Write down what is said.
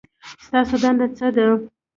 ستاسو دنده څه ده؟